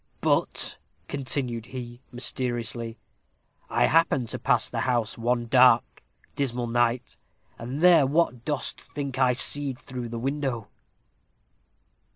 But," continued he mysteriously, "I happened to pass the house one dark, dismal night, and there what dost think I see'd through the window?"